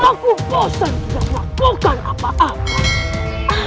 aku bosan tidak melakukan apa apa